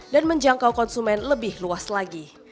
dan menjangkau konsumen lebih luas lagi